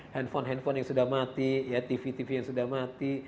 handphone handphone yang sudah mati tv tv yang sudah mati